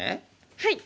はい！